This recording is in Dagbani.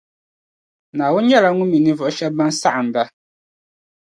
Naawuni nyɛla Ŋun mi ninvuɣu shεba ban saɣinda.